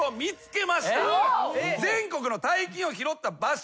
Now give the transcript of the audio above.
全国の大金を拾った場所。